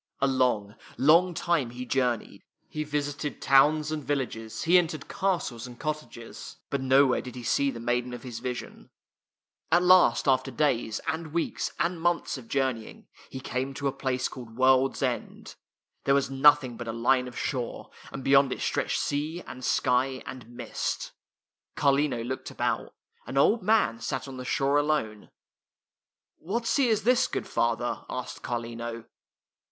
A long, long time he journeyed. He vis ited towns and villages, he entered castles and cottages, but nowhere did he see the maiden of his vision. [ 2 ] THE THREE LEMONS At last after days, and weeks, and months of journeying, he came to a place called World's End. There was nothing but a line of shore, and beyond it stretched sea, and sky, and mist. Carlino looked about. An old man sat on the shore alone. "What sea is this, good father?" asked Carlino.